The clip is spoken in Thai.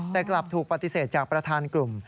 แต่กลับถูกปฏิเสธจากประธานกลุ่ม